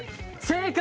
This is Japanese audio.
正解！